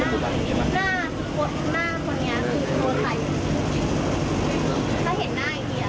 ถ้าเห็นหน้าอีกทีเขาจะรู้ว่า